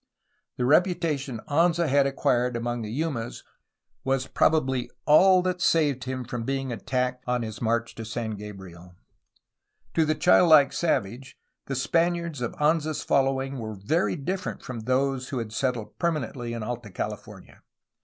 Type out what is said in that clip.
The reputation Anza had acquired among the Yumas was probably all that saved him from being attacked on his march to San Gabriel; to the childlike savage the Spaniards of Anza's following were very different from those who had settled permanently in Alta California.